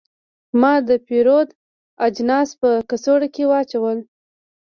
ما د پیرود اجناس په کڅوړه کې واچول.